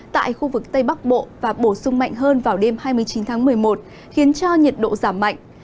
tại khu vực tây bắc bộ và bổ sung mạnh hơn vào đêm hai mươi chín tháng một mươi một khiến cho nhiệt độ giảm mạnh